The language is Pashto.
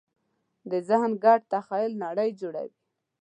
د ذهن ګډ تخیل نړۍ جوړوي.